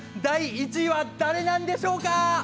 第１位は誰なんでしょうか？